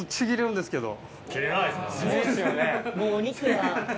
もうお肉や。